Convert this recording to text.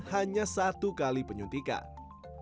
hanya satu kali penyuntikan